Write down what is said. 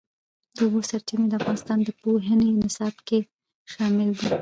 د اوبو سرچینې د افغانستان د پوهنې نصاب کې شامل دي.